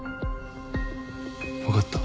分かった。